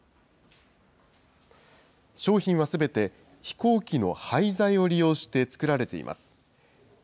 商品はすべて飛行機の廃材を利用して作られています。